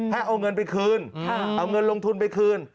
ให้เอาเงินไปคืนเอาเงินลงทุนไปคืน